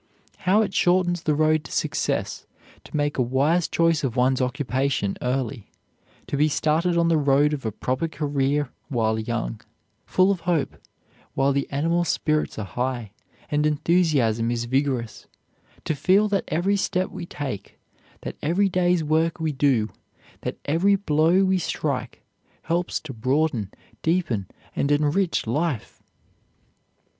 How it shortens the road to success to make a wise choice of one's occupation early, to be started on the road of a proper career while young, full of hope, while the animal spirits are high, and enthusiasm is vigorous; to feel that every step we take, that every day's work we do, that every blow we strike helps to broaden, deepen, and enrich life!